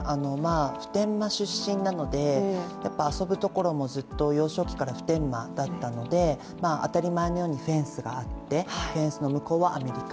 普天間出身なので遊ぶところもずっと普天間だったので、当たり前のようにフェンスがあってフェンスの向こうはアメリカ。